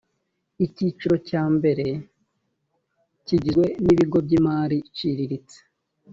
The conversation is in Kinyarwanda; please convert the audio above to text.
icyiciro cya mbere kigizwe n ibigo by imari iciriritse